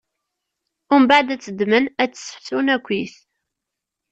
Umbeɛd ad tt-ddmen, ad tt-ssefsun akkit.